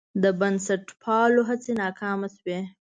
د بنسټپالو هڅې ناکامې شوې.